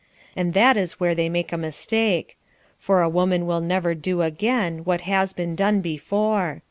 And that is where they make a mistake; for a woman will never do again what has been done before.